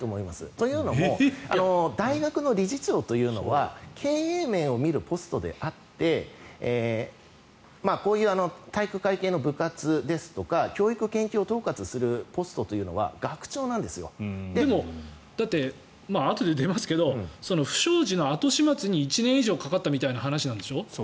というのも大学の理事長というのは経営面を見るポストであってこういう体育会系の部活ですとか教育・研究を統括するポストはでも、だってあとで出ますけど不祥事の後始末に１年以上かかったという話なんでしょ。